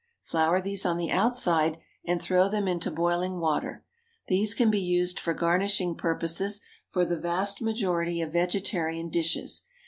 Flour these on the outside, and throw them into boiling water. These can be used for garnishing purposes for the vast majority of vegetarian dishes.